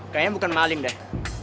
kayaknya bukan maling deh